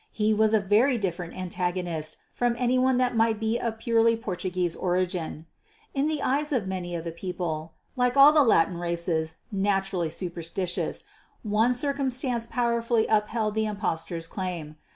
He was a very different antagonist from any one that might be of purely Portuguese origin. In the eyes of many of the people like all the Latin races naturally superstitious one circumstance powerfully upheld the impostor's claim.